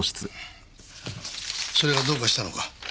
それがどうかしたのか？